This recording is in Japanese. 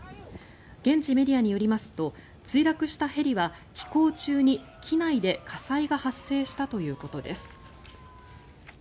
現地メディアによりますと墜落したヘリは飛行中に機内で火災が発生したということです。